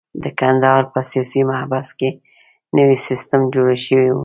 د کندهار په سیاسي محبس کې نوی سیستم جوړ شوی وو.